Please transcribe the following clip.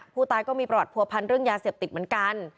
ผู้ตายก็มีประวัติผัวพันธ์เรื่องยาเสพติดเหมือนกัน